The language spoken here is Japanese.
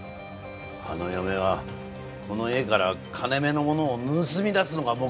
あの嫁はこの家から金目のものを盗み出すのが目的で来てたんだ。